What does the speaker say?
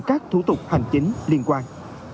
các thủ tục hành chính liên quan